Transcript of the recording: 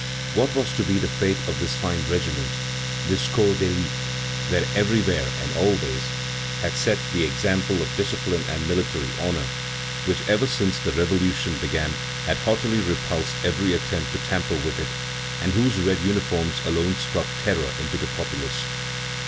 What was to be the fate of this fine regiment, this corps d'élite, which everywhere and always had set the example of discipline and military honor; which ever since the Revolution began had haughtily repulsed every attempt to tamper with it; and whose red uniforms alone struck terror into the populace?